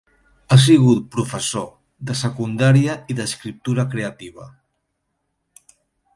Ha sigut professor de secundària i d’escriptura creativa.